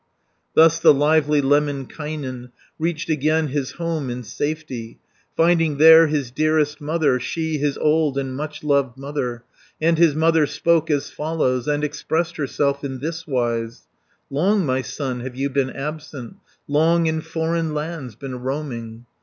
Thus the lively Lemminkainen Reached again his home in safety, Finding there his dearest mother, She, his old and much loved mother. And his mother spoke as follows, And expressed herself in thiswise: "Long, my son, have you been absent, Long in foreign lands been roaming."